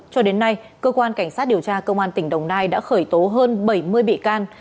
cho đến nay cơ quan cảnh sát điều tra công an tỉnh đồng nai đã khởi tố hơn bảy mươi bị can